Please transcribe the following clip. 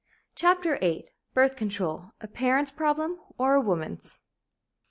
CHAPTER VIII BIRTH CONTROL A PARENTS' PROBLEM OR WOMAN'S?